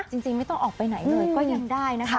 จริงไม่ต้องออกไปไหนเลยก็ยังได้นะคะ